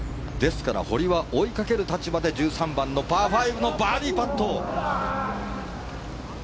ですから、堀は追いかける立場で１３番のパー５のバーディーパット。